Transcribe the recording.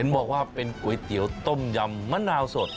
บอกว่าเป็นก๋วยเตี๋ยวต้มยำมะนาวสด